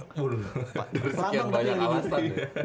kelabang tapi yang keting